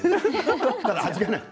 ただ味がない。